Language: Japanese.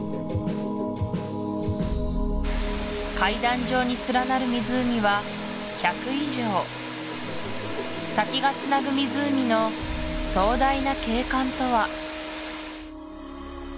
階段状に連なる湖は１００以上滝がつなぐ湖の壮大な景観とは？